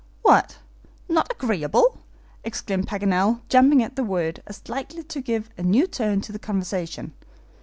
"What! not agreeable!" exclaimed Paganel, jumping at the word as likely to give a new turn to the conversation.